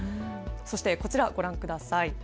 そしてこちらご覧ください。